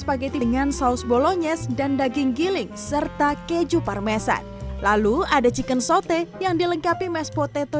masukan daging giling serta keju parmesan lalu ada chicken sauté yang dilengkapi mash potato